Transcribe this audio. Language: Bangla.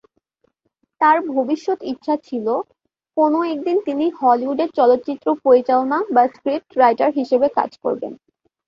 তার ভবিষ্যৎ ইচ্ছা ছিলো, কোনো একদিন তিনি হলিউডে চলচ্চিত্র পরিচালনা বা স্ক্রিপ্ট রাইটার হিসেবে কাজ করবেন।